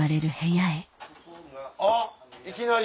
あっいきなり。